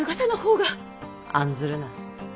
案ずるな。